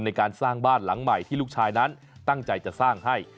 ในการสร้างบ้านหลังใหม่ที่ลูกชายนั้นตั้งใจจะสร้างให้